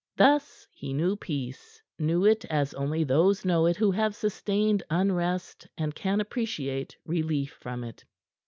Thus he knew peace; knew it as only those know it who have sustained unrest and can appreciate relief from it.